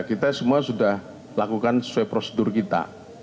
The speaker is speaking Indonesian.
kita semua sudah lakukan sesuai prosedur kita